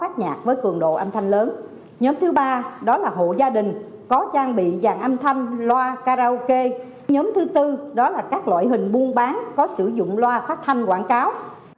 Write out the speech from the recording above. thứ tư đó là các loại hình buôn bán có sử dụng loa phát thanh quảng cáo